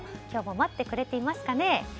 今日も待ってくれていますかね。